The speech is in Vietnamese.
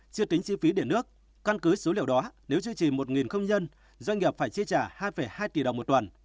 chưa tính chi phí để nước căn cứ số liệu đó nếu duy trì một công nhân doanh nghiệp phải chi trả hai hai tỷ đồng một tuần